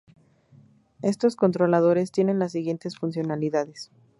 Estos controladores tiene las siguientes funcionalidades.